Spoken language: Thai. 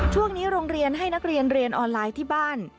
โรงเรียนให้นักเรียนเรียนออนไลน์ที่บ้าน